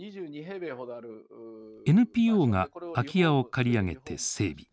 ＮＰＯが空き家を借り上げて整備。